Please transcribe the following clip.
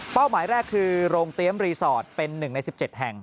หมายแรกคือโรงเตรียมรีสอร์ทเป็น๑ใน๑๗แห่ง